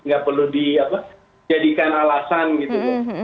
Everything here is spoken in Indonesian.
nggak perlu dijadikan alasan gitu